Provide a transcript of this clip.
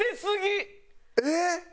えっ？